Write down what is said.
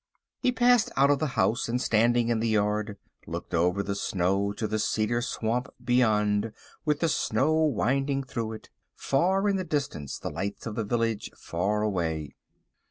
He passed out of the house, and standing in the yard, looked over the snow to the cedar swamp beyond with the snow winding through it, far in the distance the lights of the village far away.